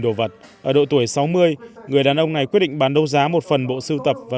một mươi năm đồ vật ở độ tuổi sáu mươi người đàn ông này quyết định bán đấu giá một phần bộ sưu tập và